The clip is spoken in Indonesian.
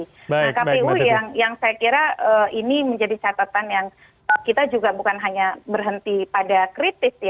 nah kpu yang saya kira ini menjadi catatan yang kita juga bukan hanya berhenti pada kritis